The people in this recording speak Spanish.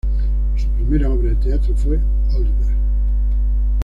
Su primera obra de teatro fue "Oliver!".